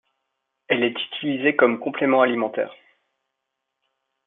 Elle est utilisée comme complément alimentaire.